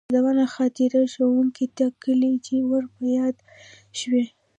يادونه ،خاطرې، ټوکې تکالې چې ور په ياد شوي.